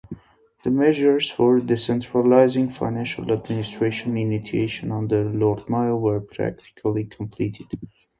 The measures for decentralizing financial administration, initiated under Lord Mayo, were practically completed.